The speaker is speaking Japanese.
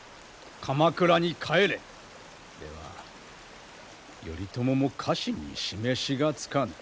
鎌倉に帰れ」では頼朝も家臣に示しがつかぬ。